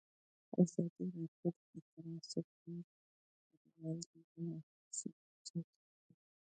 ازادي راډیو د ترانسپورټ پر وړاندې یوه مباحثه چمتو کړې.